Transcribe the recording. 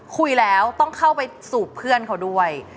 คุยแล้วต้องเข้าไปสูบเพื่อนเขาด้วย